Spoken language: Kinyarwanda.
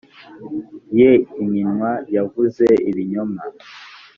ye iminwa yavuze ibinyoma